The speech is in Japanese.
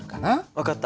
分かった。